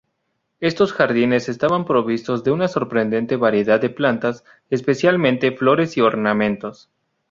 Estos jardines estaban provistos de una sorprendente variedad de plantas, especialmente flores y ornamentos.